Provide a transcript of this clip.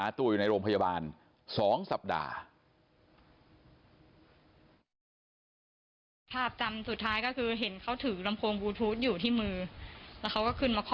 หรือหรือหรือหรือหรือหรือหรือหรือหรือ